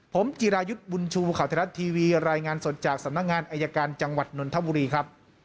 ผมจิรายุทธ์บุญชูข่าวไทยรัฐทีวีรายงานสดจากสำนักงานอายการจังหวัดนนทบุรีครับ